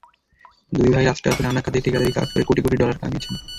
দুই ভাই রাষ্ট্রায়ত্ত নানা খাতে ঠিকাদারি কাজ করে কোটি কোটি ডলার কামিয়েছেন।